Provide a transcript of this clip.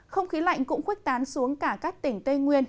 không khí lạnh cũng khuếch tán xuống cả các tỉnh tây nguyên